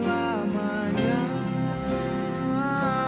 dari rumah duka